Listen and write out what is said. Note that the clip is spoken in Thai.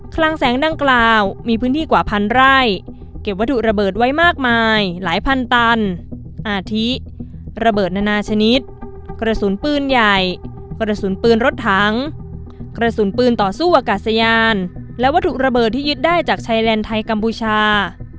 คลังแสงดังกล่าวมีพื้นที่กว่าพันไร่เก็บวัตถุระเบิดไว้มากมายหลายพันตันอาทิระเบิดนานาชนิดกระสุนปืนใหญ่กระสุนปืนรถถังกระสุนปืนต่อสู้อากาศยานและวัตถุระเบิดที่ยึดได้จากชายแดนไทยกัมพูชา